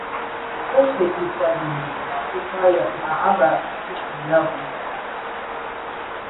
O kpebikwazịrị ma kwuwaa na a ga-akụtù ya bụ ụlọ